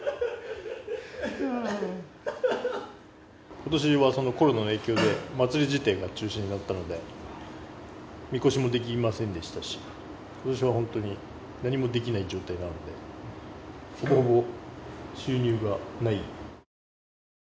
今年はコロナの影響で祭り自体が中止になったのでみこしもできませんでしたし今年は本当に何もできない状態なのでほぼほぼ収入がない。